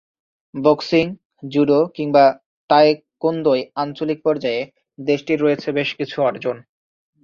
Boxing, judo কিংবা তায়কোন্দোয় আঞ্চলিক পর্যায়ে দেশটির রয়েছে বেশ কিছু অর্জন।